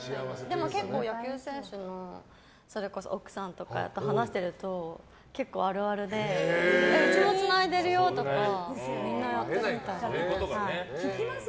でも、結構野球選手の奥さんとかと話してると結構あるあるでうちもつないでるよとかみんなやってるみたいです。